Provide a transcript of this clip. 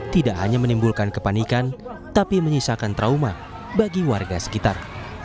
tidak hanya menimbulkan kepanikan tapi menyisakan trauma bagi warga sekitar